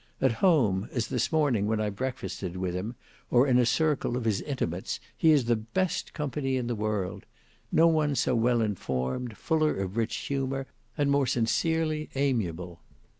At home, as this morning when I breakfasted with him, or in a circle of his intimates, he is the best company in the world; no one so well informed, fuller of rich humour, and more sincerely amiable.